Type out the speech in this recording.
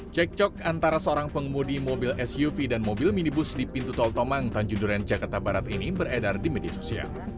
cek cok antara seorang pengemudi mobil suv dan mobil minibus di pintu tol tomang tanjung duren jakarta barat ini beredar di media sosial